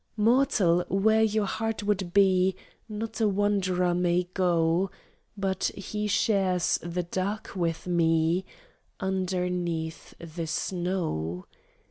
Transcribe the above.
"Mortal, where your heart would be Not a wanderer may go, But he shares the dark with me Underneath the snow."